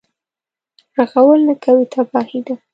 رغول نه کوي تباهي ده.